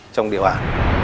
trong địa bàn